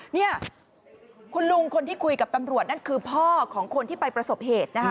นี่คุณลุงคนที่คุยกับตำรวจนั่นคือพ่อของคนที่ไปประสบเหตุนะคะ